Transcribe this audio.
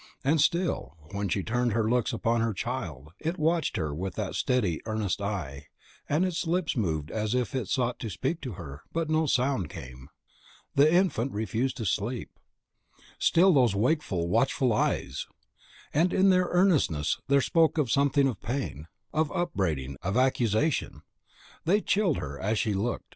And still, when she turned her looks upon her child, it watched her with that steady, earnest eye, and its lips moved as if it sought to speak to her, but no sound came. The infant refused to sleep. Whenever she gazed upon its face, still those wakeful, watchful eyes! and in their earnestness, there spoke something of pain, of upbraiding, of accusation. They chilled her as she looked.